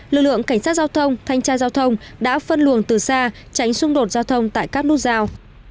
lực lượng cảnh sát giao thông thanh tra giao thông đã phân luồng từ xa tránh xung đột giao thông tại các nút giao